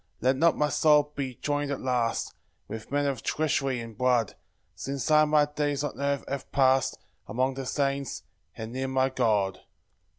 5 Let not my soul be join'd at last With men of treachery and blood, Since I my days on earth have past Among the saints, and near my God.